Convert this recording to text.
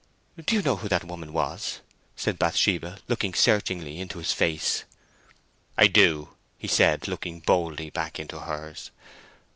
"Do you know who that woman was?" said Bathsheba, looking searchingly into his face. "I do," he said, looking boldly back into hers.